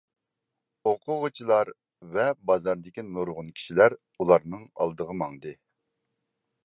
ئوقۇغۇچىلار ۋە بازاردىكى نۇرغۇن كىشىلەر ئۇلارنىڭ ئالدىغا ماڭدى.